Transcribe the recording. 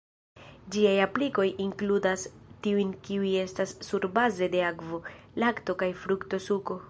Ĝiaj aplikoj inkludas tiujn kiuj estas surbaze de akvo, lakto kaj frukto-suko.